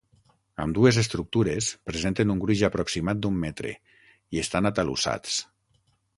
Ambdues estructures presenten un gruix aproximat d'un metre i estan atalussats.